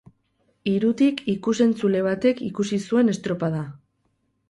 Hirutik ikus-entzule batek ikusi zuen estropada.